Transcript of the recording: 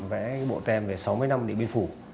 vẽ bộ tem về sáu mươi năm địa biên phủ